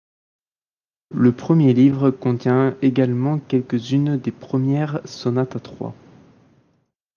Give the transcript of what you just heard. Le premier livre contient également quelques-unes des premières sonates à trois.